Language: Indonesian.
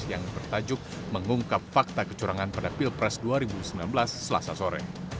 yang bertajuk mengungkap fakta kecurangan pada pilpres dua ribu sembilan belas selasa sore